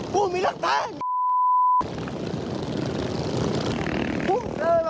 กูมีลักษณะ